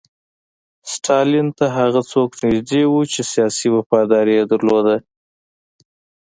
ستالین ته هغه څوک نږدې وو چې سیاسي وفاداري یې درلوده